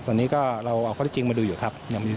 ตอนนี้ก็เราเอาข้อที่จริงมาดูอยู่ครับ